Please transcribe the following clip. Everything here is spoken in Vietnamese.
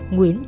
nguyễn công vũ